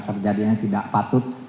kejadian yang tidak patut